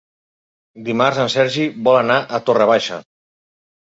Dimarts en Sergi vol anar a Torre Baixa.